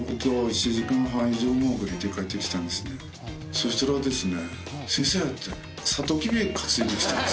そしたらですね。